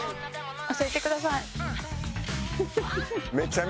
教えてください。